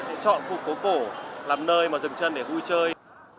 sẽ chọn khu phố cổ làm nơi mà dừng chân để vui chơi